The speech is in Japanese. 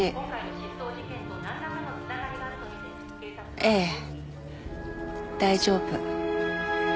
ええ大丈夫。